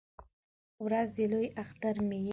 ورځ د لوی اختر مې یې